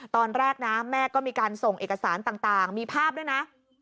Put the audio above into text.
ตอนแรกนะแม่ก็มีการส่งเอกสารต่างมีภาพด้วยนะ